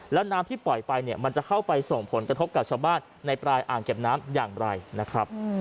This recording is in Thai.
แล้วน้ำที่ปล่อยไปเนี่ยมันจะเข้าไปส่งผลกระทบกับชาวบ้านในปลายอ่างเก็บน้ำอย่างไรนะครับ